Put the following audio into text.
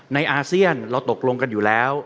อาเซียนเราตกลงกันอยู่แล้ว